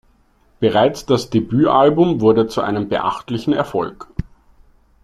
Bereits das Debütalbum wurde zu einem beachtlichen Erfolg.